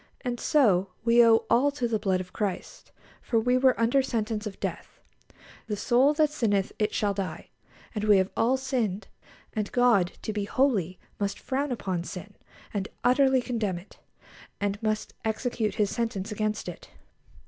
And so we owe all to the blood of Christ, for we were under sentence of death "The soul that sinneth it shall die"; and we have all sinned, and God, to be holy, must frown upon sin, and utterly condemn it, and must execute His sentence against it.